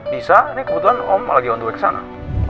bisa ini kebetulan om lagi on the way kesana